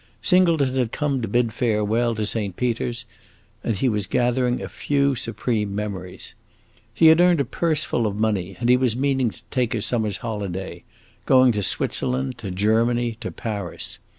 Singleton had come to bid farewell to Saint Peter's, and he was gathering a few supreme memories. He had earned a purse full of money, and he was meaning to take a summer's holiday; going to Switzerland, to Germany, to Paris.